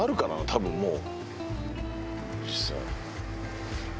多分もう。